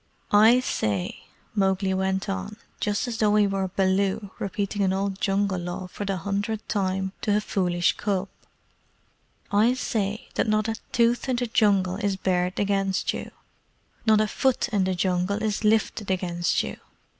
"I say," Mowgli went on, just as though he were Baloo repeating an old Jungle Law for the hundredth time to a foolish cub "I say that not a tooth in the Jungle is bared against you; not a foot in the Jungle is lifted against you.